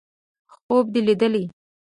_خوب دې ليدلی!